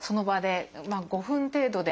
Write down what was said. まあ５分程度で。